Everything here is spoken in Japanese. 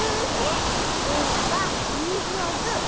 おいらはミミズのズー！